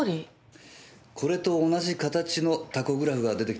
これと同じ形のタコグラフが出てきたんですよ。